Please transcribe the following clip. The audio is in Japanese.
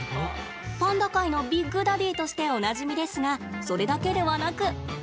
パンダ界のビッグダディとしておなじみですがそれだけではなく。